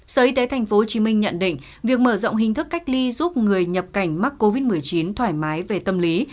sở y tế tp hcm nhận định việc mở rộng hình thức cách ly giúp người nhập cảnh mắc covid một mươi chín thoải mái về tâm lý